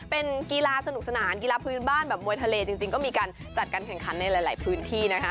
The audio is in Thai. เป็นกีฬาสนุกสนานกีฬาพื้นบ้านแบบมวยทะเลจริงก็มีการจัดการแข่งขันในหลายพื้นที่นะคะ